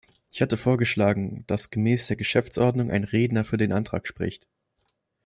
Ich hatte vorgeschlagen, dass gemäß der Geschäftsordnung ein Redner für den Antrag spricht.